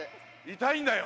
痛いんだよ。